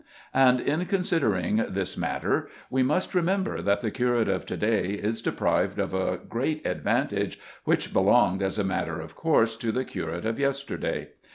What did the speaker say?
And in considering this matter we must remember that the curate of to day is deprived of a great advantage which belonged as a matter of course to the curate of yesterday.